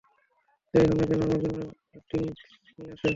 যাই হও না কেন, আমার জন্য ড্রিংক্স নিয়ে আসো।